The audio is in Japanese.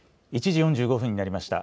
１時４５分になりました。